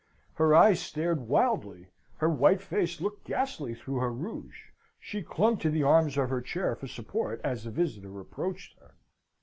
Her eyes stared wildly: her white face looked ghastly through her rouge. She clung to the arms of her chair for support, as the visitor approached her.